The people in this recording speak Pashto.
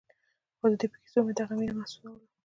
خو د ده په کيسو مې دغه مينه محسوسوله.